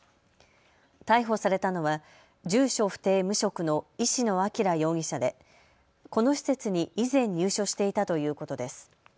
逮捕されたのは住所不定、無職の石野彰容疑者でこの施設に以前入所していたということです。